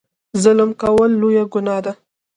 ظلم کول لویه ګناه ده.